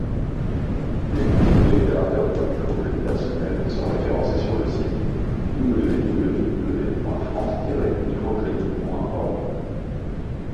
Les principaux opérateurs pour le microcrédit personnel sont référencés sur le site www.france-microcredit.org.